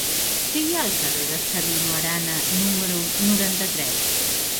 Què hi ha al carrer de Sabino Arana número noranta-tres?